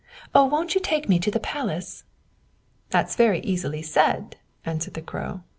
Oh, won't you take me to the palace?" "That is very easily said," answered the Crow.